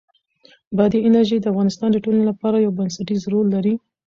بادي انرژي د افغانستان د ټولنې لپاره یو بنسټيز رول لري.